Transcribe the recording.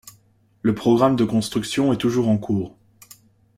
Le programme de construction est toujours en cours.